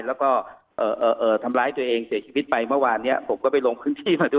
แล้วก็ทำร้ายตัวเองเสียชีวิตไปเมื่อวานเนี้ยผมก็ไปลงพื้นที่มาดู